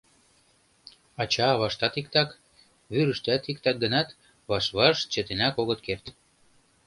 Ача-аваштат иктак, вӱрыштат иктак гынат, ваш-ваш чытенак огыт керт.